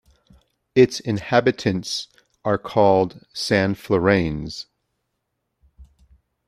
Its inhabitants are called "Sanflorains".